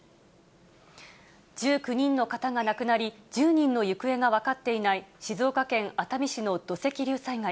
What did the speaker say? １９人の方が亡くなり、１０人の行方が分かっていない静岡県熱海市の土石流災害。